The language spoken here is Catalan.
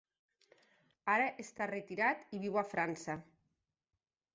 Ara està retirat i viu a França.